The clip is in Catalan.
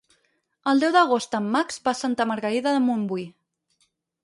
El deu d'agost en Max va a Santa Margarida de Montbui.